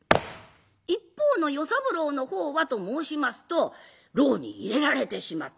一方の与三郎の方はと申しますと牢に入れられてしまった。